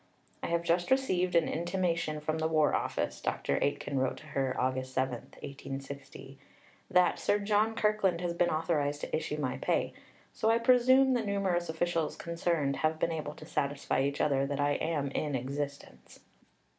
"I have just received an intimation from the War Office," Dr. Aitken wrote to her (Aug. 7, 1860), "that Sir John Kirkland has been authorised to issue my pay; so I presume the numerous officials concerned have been able to satisfy each other that I am in existence.